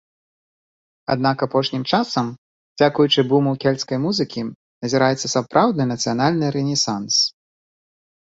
Аднак апошнім часам дзякуючы буму кельцкай музыкі назіраецца сапраўдны нацыянальны рэнесанс.